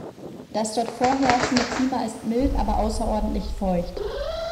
Das dort vorherrschende Klima ist mild, aber außerordentlich feucht.